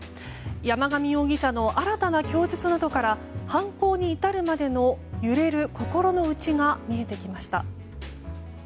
山上容疑者の新たな供述などから犯行に至るまでの揺れる心の内が見えてきました。